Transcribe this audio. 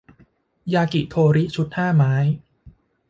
ยากิโทริชุดห้าไม้